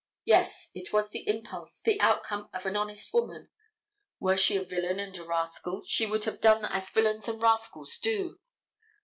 Yes, it was the impulse, the outcome of an honest woman. Were she a villain and a rascal, she would have done as villains and rascals do.